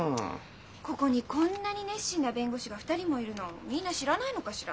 ここにこんなに熱心な弁護士が２人もいるのをみんな知らないのかしら？